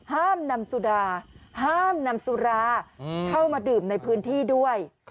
ห้ามนำสุดาห้ามนำสุราเข้ามาดื่มในพื้นที่ด้วย